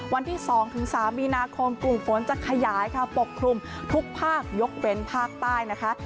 วันที่๒๓มีนาคมกลุ่มฝนจะขยายค่ะปกคลุมทุกภาคยกเว้นภาคใต้นะคะ